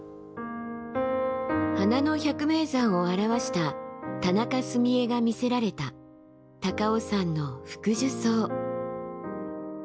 「花の百名山」を著した田中澄江が魅せられた高尾山のフクジュソウ。